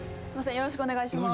よろしくお願いします